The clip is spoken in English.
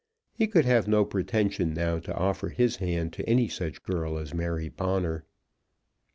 He could have no pretension now to offer his hand to any such girl as Mary Bonner!